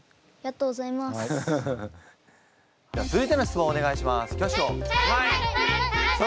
続いての質問をお願いします。